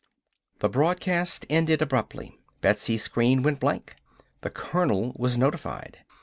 The broadcast ended abruptly. Betsy's screen went blank. The colonel was notified.